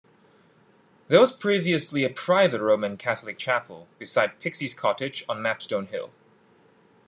There was previously a private Roman Catholic chapel, beside Pixies Cottage on Mapstone Hill.